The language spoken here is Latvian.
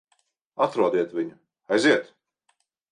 Atrodiet viņu. Aiziet!